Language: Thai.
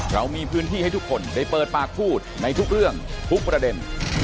เรามีพื้นที่ให้ทุกคนได้เปิดปากพูดในทุกเรื่องทุกประเด็น